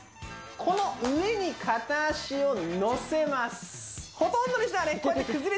この上に片足を乗せます